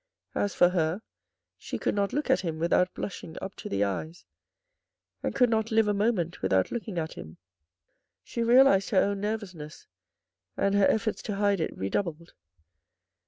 . As for her, she could not look at him without blushing up to the eyes, and could not live a moment without looking at him. She realised her own nervousness, and her efforts to hide it redoubled.